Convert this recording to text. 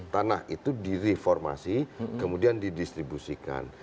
tanah itu direformasi kemudian didistribusikan